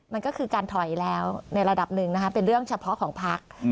มันก็คือการถอยแล้วในระดับหนึ่งนะคะเป็นเรื่องเฉพาะของพัก